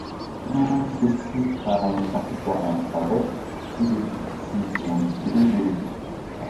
Suhze si ka̧h nzak daŋa bale ke si ziŋ behleri.